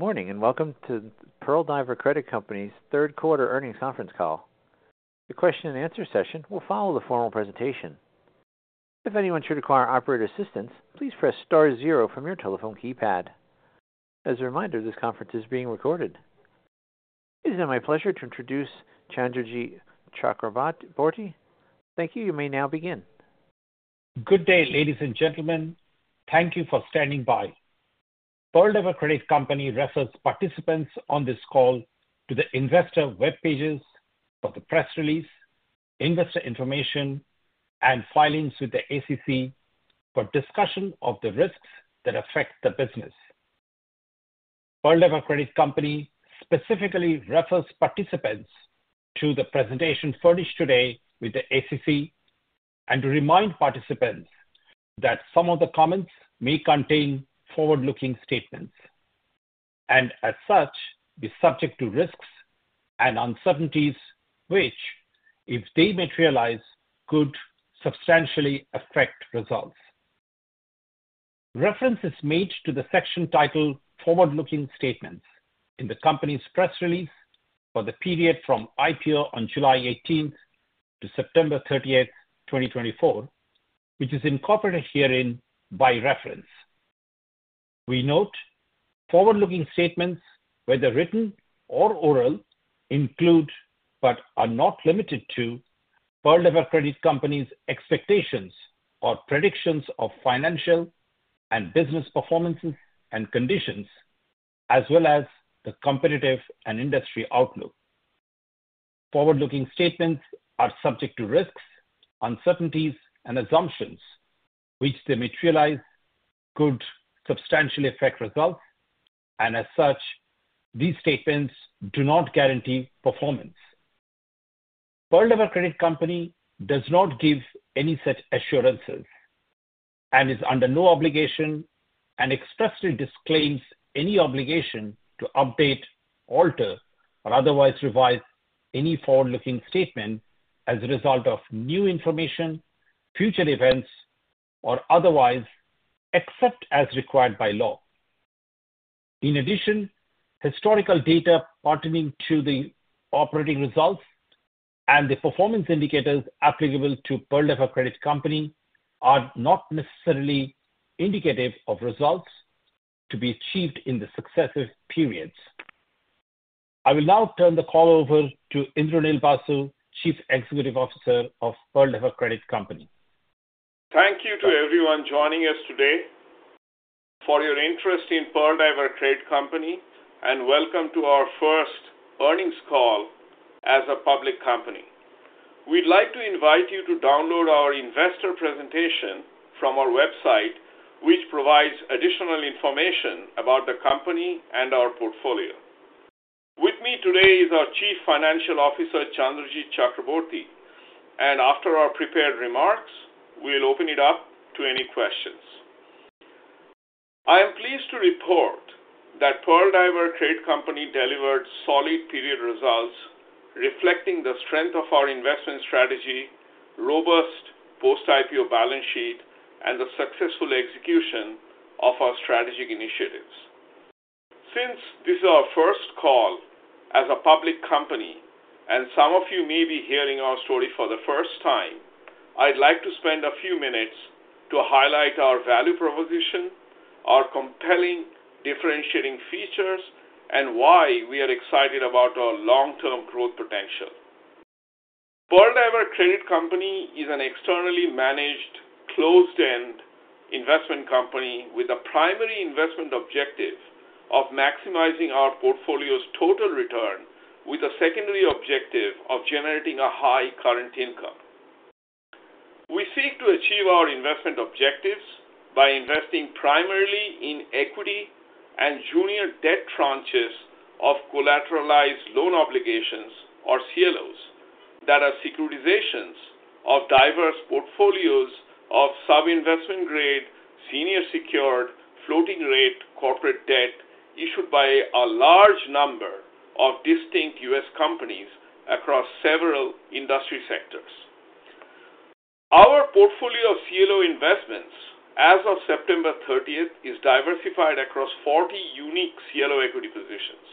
Good morning and welcome to Pearl Diver Credit Company's third quarter earnings conference call. The question and answer session will follow the formal presentation. If anyone should require operator assistance, please press star zero from your telephone keypad. As a reminder, this conference is being recorded. It is now my pleasure to introduce Chandrajit Chakraborty. Thank you. You may now begin. Good day, ladies and gentlemen. Thank you for standing by. Pearl Diver Credit Company refers participants on this call to the investor web pages for the press release, investor information, and filings with the SEC for discussion of the risks that affect the business. Pearl Diver Credit Company specifically refers participants to the presentation furnished today with the SEC and to remind participants that some of the comments may contain forward-looking statements, and as such be subject to risks and uncertainties which, if they materialize, could substantially affect results. Reference is made to the section titled Forward-Looking Statements in the company's press release for the period from IPO on July 18th to September 30th, 2024, which is incorporated herein by reference. We note forward-looking statements, whether written or oral, include but are not limited to Pearl Diver Credit Company's expectations or predictions of financial and business performances and conditions, as well as the competitive and industry outlook. Forward-looking statements are subject to risks, uncertainties, and assumptions which, if they materialize, could substantially affect results, and as such, these statements do not guarantee performance. Pearl Diver Credit Company does not give any set assurances and is under no obligation and expressly disclaims any obligation to update, alter, or otherwise revise any forward-looking statement as a result of new information, future events, or otherwise except as required by law. In addition, historical data pertaining to the operating results and the performance indicators applicable to Pearl Diver Credit Company are not necessarily indicative of results to be achieved in the successive periods. I will now turn the call over to Indranil Basu, Chief Executive Officer of Pearl Diver Credit Company. Thank you to everyone joining us today for your interest in Pearl Diver Credit Company and welcome to our first earnings call as a public company. We'd like to invite you to download our investor presentation from our website, which provides additional information about the company and our portfolio. With me today is our Chief Financial Officer, Chandrajit Chakraborty. After our prepared remarks, we'll open it up to any questions. I am pleased to report that Pearl Diver Credit Company delivered solid period results reflecting the strength of our investment strategy, robust post-IPO balance sheet, and the successful execution of our strategic initiatives. Since this is our first call as a public company and some of you may be hearing our story for the first time, I'd like to spend a few minutes to highlight our value proposition, our compelling differentiating features, and why we are excited about our long-term growth potential. Pearl Diver Credit Company is an externally managed closed-end investment company with a primary investment objective of maximizing our portfolio's total return with a secondary objective of generating a high current income. We seek to achieve our investment objectives by investing primarily in equity and junior debt tranches of collateralized loan obligations, or CLOs, that are securitizations of diverse portfolios of sub-investment grade, senior secured, floating-rate corporate debt issued by a large number of distinct U.S. companies across several industry sectors. Our portfolio of CLO investments as of September 30th is diversified across 40 unique CLO equity positions.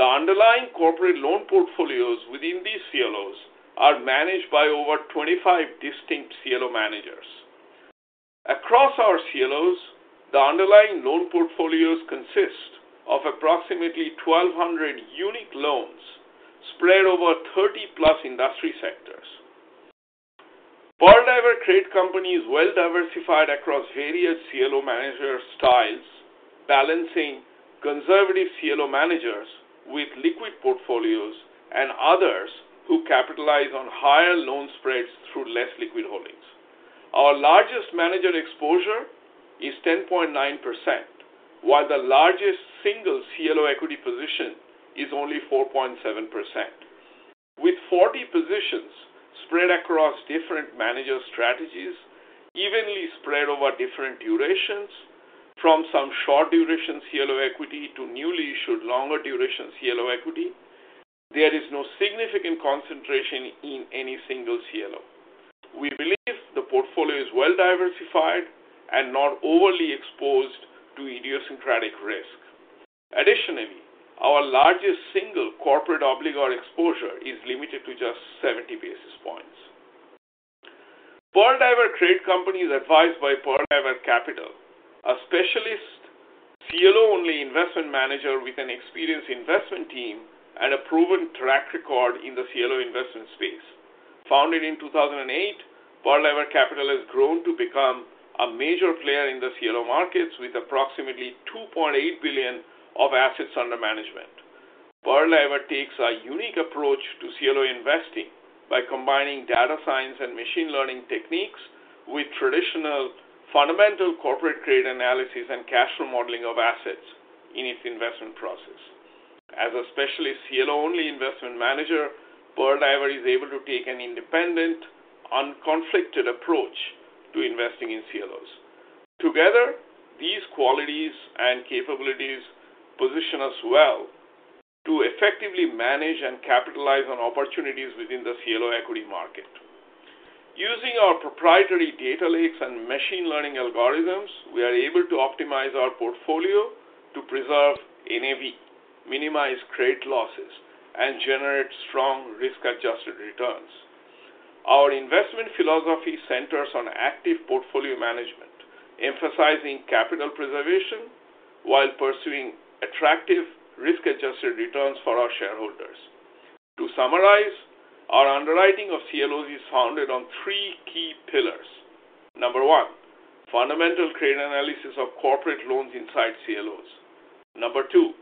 The underlying corporate loan portfolios within these CLOs are managed by over 25 distinct CLO managers. Across our CLOs, the underlying loan portfolios consist of approximately 1,200 unique loans spread over 30-plus industry sectors. Pearl Diver Credit Company is well-diversified across various CLO manager styles, balancing conservative CLO managers with liquid portfolios and others who capitalize on higher loan spreads through less liquid holdings. Our largest manager exposure is 10.9%, while the largest single CLO equity position is only 4.7%. With 40 positions spread across different manager strategies, evenly spread over different durations, from some short-duration CLO equity to newly issued longer-duration CLO equity, there is no significant concentration in any single CLO. We believe the portfolio is well-diversified and not overly exposed to idiosyncratic risk. Additionally, our largest single corporate obligor exposure is limited to just 70 basis points. Pearl Diver Credit Company is advised by Pearl Diver Capital, a specialist CLO-only investment manager with an experienced investment team and a proven track record in the CLO investment space. Founded in 2008, Pearl Diver Capital has grown to become a major player in the CLO markets with approximately $2.8 billion of assets under management. Pearl Diver takes a unique approach to CLO investing by combining data science and machine learning techniques with traditional fundamental corporate trade analysis and cash flow modeling of assets in its investment process. As a specialist CLO-only investment manager, Pearl Diver is able to take an independent, unconflicted approach to investing in CLOs. Together, these qualities and capabilities position us well to effectively manage and capitalize on opportunities within the CLO equity market. Using our proprietary data lakes and machine learning algorithms, we are able to optimize our portfolio to preserve NAV, minimize trade losses, and generate strong risk-adjusted returns. Our investment philosophy centers on active portfolio management, emphasizing capital preservation while pursuing attractive risk-adjusted returns for our shareholders. To summarize, our underwriting of CLOs is founded on three key pillars. Number one, fundamental trade analysis of corporate loans inside CLOs. Number two,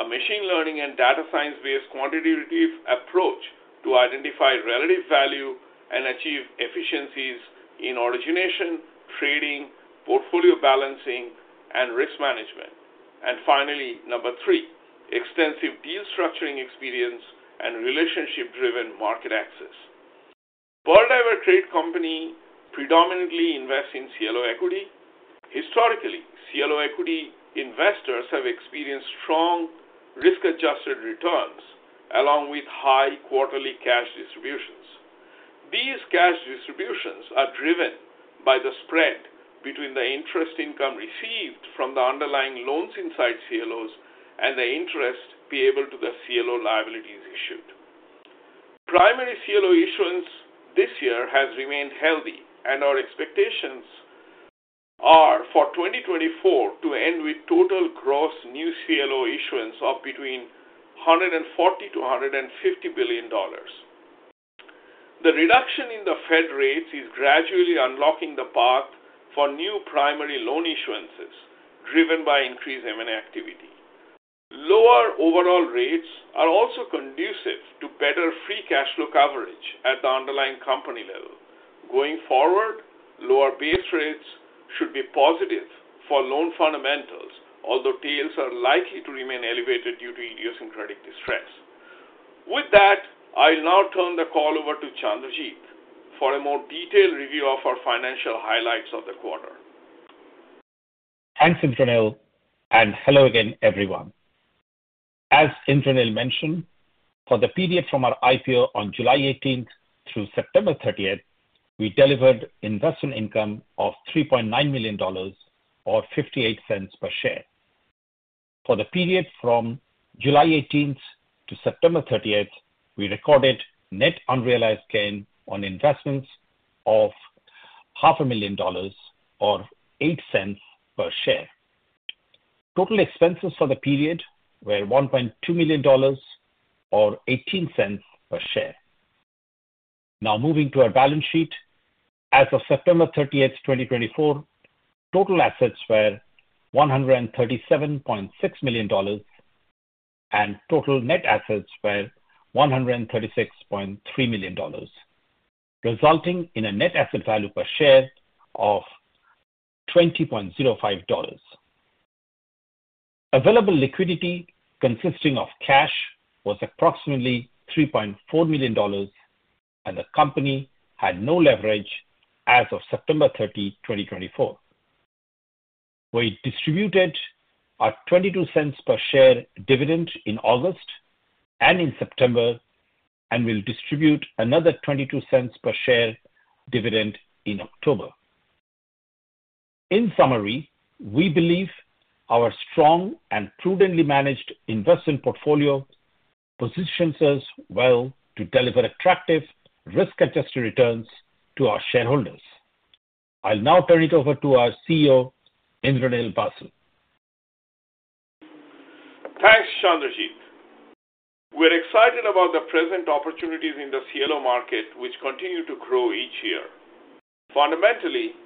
a machine learning and data science-based quantitative approach to identify relative value and achieve efficiencies in origination, trading, portfolio balancing, and risk management. And finally, number three, extensive deal structuring experience and relationship-driven market access. Pearl Diver Credit Company predominantly invests in CLO equity. Historically, CLO equity investors have experienced strong risk-adjusted returns along with high quarterly cash distributions. These cash distributions are driven by the spread between the interest income received from the underlying loans inside CLOs and the interest payable to the CLO liabilities issued. Primary CLO issuance this year has remained healthy, and our expectations are for 2024 to end with total gross new CLO issuance of between $140billion-$150 billion. The reduction in the Fed rates is gradually unlocking the path for new primary loan issuances driven by increased M&A activity. Lower overall rates are also conducive to better free cash flow coverage at the underlying company level. Going forward, lower base rates should be positive for loan fundamentals, although tails are likely to remain elevated due to idiosyncratic distress. With that, I'll now turn the call over to Chandrajit for a more detailed review of our financial highlights of the quarter. Thanks, Indranil. And hello again, everyone. As Indranil mentioned, for the period from our IPO on July 18th through September 30th, we delivered investment income of $3.9 million, or $0.58 per share. For the period from July 18th to September 30th, we recorded net unrealized gain on investments of $500,000, or $0.08 per share. Total expenses for the period were $1.2 million, or $0.18 per share. Now moving to our balance sheet, as of September 30th, 2024, total assets were $137.6 million and total net assets were $136.3 million, resulting in a net asset value per share of $20.05. Available liquidity consisting of cash was approximately $3.4 million, and the company had no leverage as of September 30th, 2024. We distributed a $0.22 per share dividend in August and in September, and we'll distribute another $0.22 per share dividend in October. In summary, we believe our strong and prudently managed investment portfolio positions us well to deliver attractive risk-adjusted returns to our shareholders. I'll now turn it over to our Chief Executive Officer, Indranil Basu. Thanks, Chandrajit. We're excited about the present opportunities in the CLO market, which continue to grow each year. Fundamentally,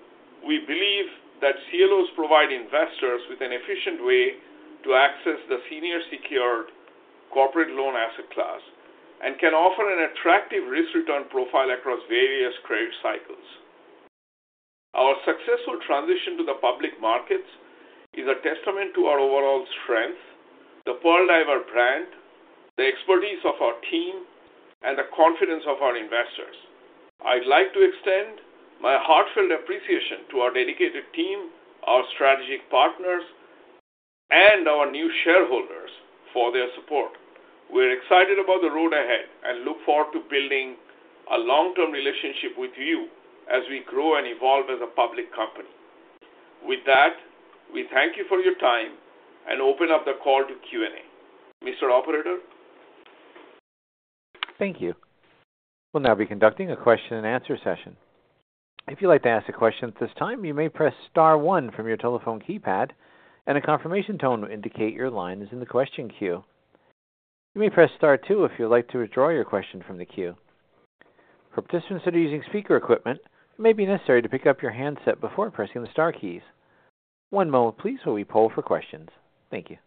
we believe that CLOs provide investors with an efficient way to access the senior secured corporate loan asset class and can offer an attractive risk-return profile across various credit cycles. Our successful transition to the public markets is a testament to our overall strength, the Pearl Diver brand, the expertise of our team, and the confidence of our investors. I'd like to extend my heartfelt appreciation to our dedicated team, our strategic partners, and our new shareholders for their support. We're excited about the road ahead and look forward to building a long-term relationship with you as we grow and evolve as a public company. With that, we thank you for your time and open up the call to Q&A. Mr. Operator. Thank you. We'll now be conducting a question-and-answer session. If you'd like to ask a question at this time, you may press star one from your telephone keypad, and a confirmation tone will indicate your line is in the question queue. You may press star two if you'd like to withdraw your question from the queue. For participants that are using speaker equipment, it may be necessary to pick up your handset before pressing the Star keys. One moment, please, while we poll for questions. Thank you.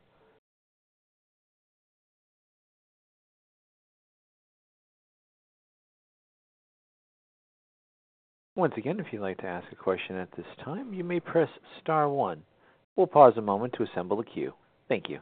Once again, if you'd like to ask a question at this time, you may press star one. We'll pause a moment to assemble the queue. Thank you.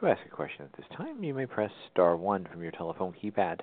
To ask a question at this time, you may press Star 1 from your telephone keypad.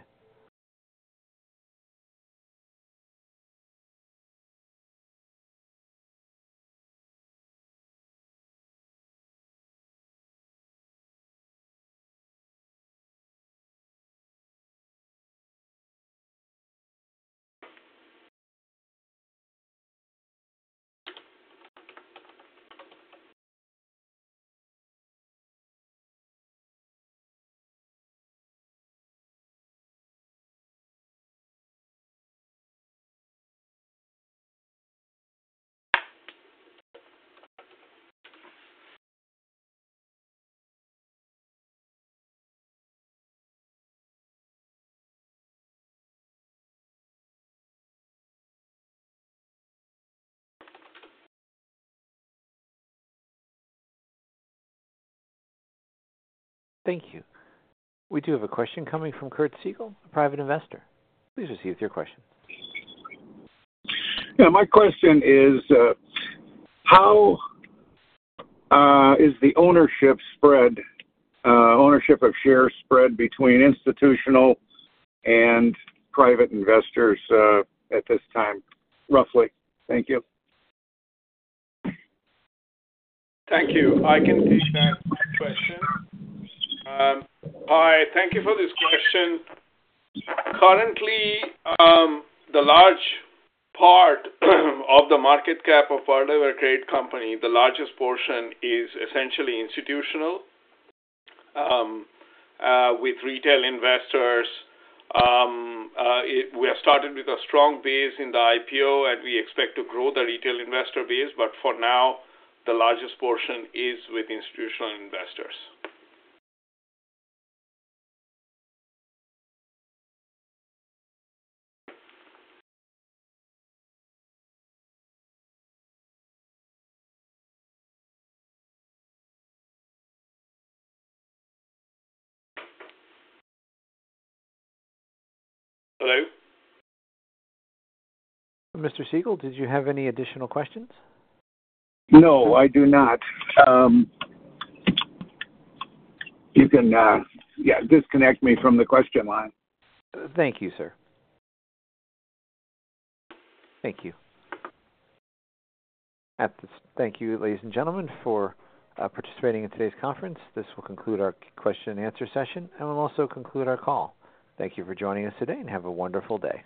Thank you. We do have a question coming from Kurt Siegel, a private investor. Please proceed with your question. Yeah. My question is, how is the ownership of shares spread between institutional and private investors at this time, roughly? Thank you. Thank you. I can take that question. Hi. Thank you for this question. Currently, the large part of the market cap of Pearl Diver Credit Company, the largest portion, is essentially institutional with retail investors. We have started with a strong base in the IPO, and we expect to grow the retail investor base, but for now, the largest portion is with institutional investors. Hello? Mr. Siegel, did you have any additional questions? No. I do not. You can, yeah, disconnect me from the question line. Thank you, sir. Thank you. Thank you, ladies and gentlemen, for participating in today's conference. This will conclude our question-and-answer session, and we'll also conclude our call. Thank you for joining us today, and have a wonderful day.